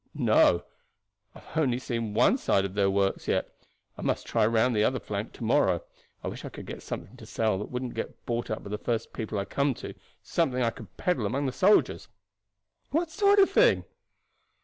"No, I have only seen one side of their works yet; I must try round the other flank to morrow. I wish I could get something to sell that wouldn't get bought up by the first people I came to, something I could peddle among the soldiers." "What sort of thing?"